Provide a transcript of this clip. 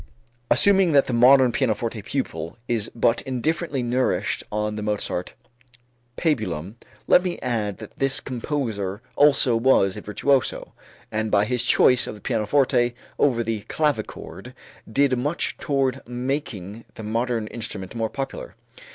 Assuming that the modern pianoforte pupil is but indifferently nourished on the Mozart pabulum, let me add that this composer also was a virtuoso, and by his choice of the pianoforte over the clavichord did much toward making the modern instrument more popular.